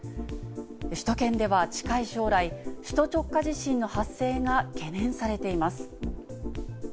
首都圏では近い将来、首都直下地震の発生が懸念されています。